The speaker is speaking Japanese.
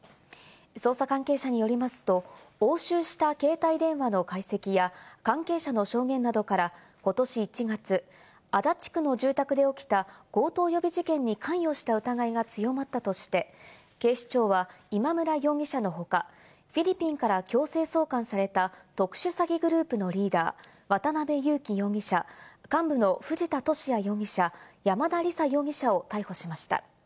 捜査関係者によりますと、押収した携帯電話の解析や関係者の証言などから、ことし１月、足立区の住宅で起きた強盗予備事件に関与した疑いが強まったとして、警視庁は今村容疑者の他、フィリピンから強制送還された特殊詐欺グループのリーダー・渡辺優樹容疑者、幹部の藤田聖也容疑者、山田李沙容疑者を逮捕しました。